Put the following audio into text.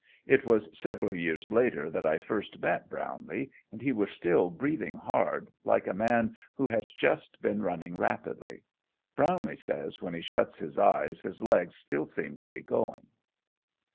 It was several years later that I first met Brownlee, and he was still breathing hard, like a man who has just been running rapidly. Brownlee says when he shuts his eyes his legs still seem to be going.